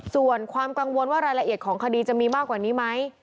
ส่วนความกังวลว่ารายละเอียดของคดีจะมีมากกว่านี้ไหม